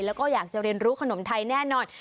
แล้วก็อยากจะเรียนรู้ขนมไทยแน่นอน